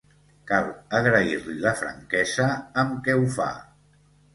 Cal agrair-li la franquesa amb què ho fa